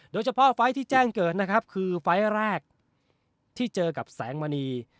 โดยเฉพาะไฟล์ที่แจ้งเกิดนะครับคือไฟล์แรกที่เจอกับแสงมณี